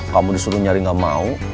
kamu disuruh nyari gak mau